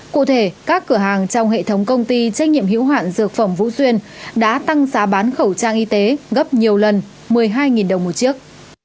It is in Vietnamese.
cụ thể các cửa hàng trong hệ thống công ty trách nhiệm hữu hoạn dược phẩm vũ xuyên đã tăng giá bán khẩu trang y tế gấp nhiều lần một mươi hai đồng một chiếc